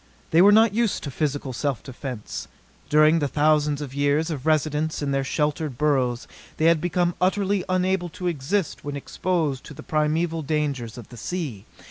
They were not used to physical self defense. During the thousands of years of residence in their sheltered burrows they had become utterly unable to exist when exposed to the primeval dangers of the sea.